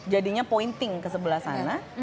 jadinya pointing ke sebelah sana